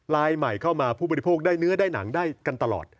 ลายใหม่เข้ามาผู้บริโภคได้เนื้อได้หนังได้กันตลอด